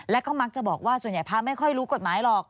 และก็มักจะบอกว่าส่วนใหญ่พระไม่ค่อยรู้กฎหมายหรอก